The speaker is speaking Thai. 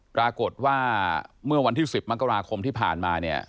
ปรากฏว่าเมื่อวันที่๑๐มกราคมที่ผ่านมาเนี่ย